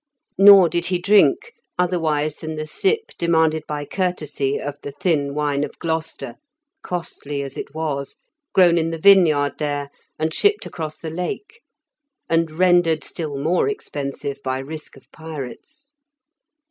Nor did he drink, otherwise than the sip demanded by courtesy, of the thin wine of Gloucester, costly as it was, grown in the vineyard there, and shipped across the Lake, and rendered still more expensive by risk of pirates.